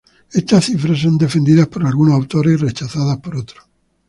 Estas cifras son defendidas por algunos autores y rechazadas por otros.